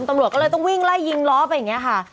ตำรวจก็เลยต้องวิ่งไล่ยิงล้อไปอย่างนี้ค่ะ